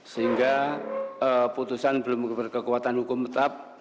sehingga putusan belum berkekuatan hukum tetap